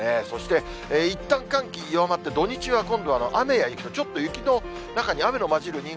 そして、いったん寒気弱まって土日は今度は雨や雪、ちょっと雪の中に雨の交じる